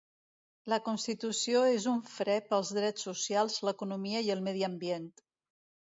La constitució és un fre pels drets socials, l’economia i el medi ambient.